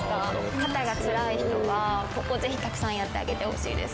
肩がつらい人はここをぜひたくさんやってあげてほしいです。